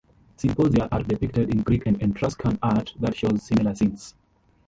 Symposia are depicted in Greek and Etruscan art that shows similar scenes.